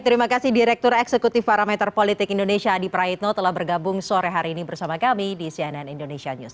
terima kasih direktur eksekutif parameter politik indonesia adi praetno telah bergabung sore hari ini bersama kami di cnn indonesia news